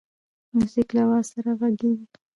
موزیک له آواز سره غږیږي.